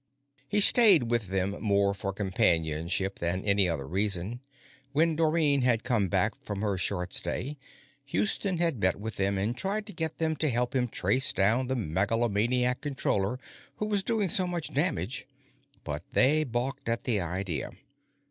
He stayed with them more for companionship than any other reason. When Dorrine had come back for her short stay, Houston had met with them and tried to get them to help him trace down the megalomaniac Controller who was doing so much damage, but they'd balked at the idea.